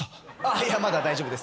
いやまだ大丈夫ですから。